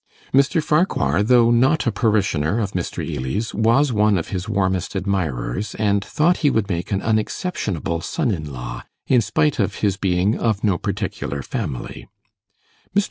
Mr. Farquhar, though not a parishioner of Mr. Ely's, was one of his warmest admirers, and thought he would make an unexceptionable son in law, in spite of his being of no particular 'family'. Mr.